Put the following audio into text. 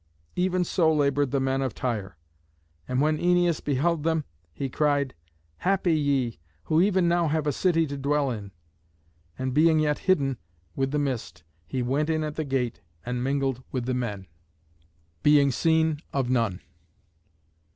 Even so laboured the men of Tyre. And when Æneas beheld them he cried, "Happy ye, who even now have a city to dwell in!" And being yet hidden with the mist, he went in at the gate and mingled with the men, being seen of none.